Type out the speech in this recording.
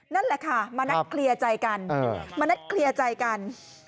นะแหละค่ะมานัดเคลียร์ใจกัน